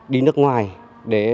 đi nước ngoài để